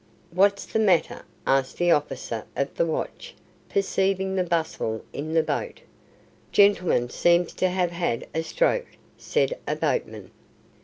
"What's the matter?" asked the officer of the watch, perceiving the bustle in the boat. "Gentleman seems to have had a stroke," said a boatman.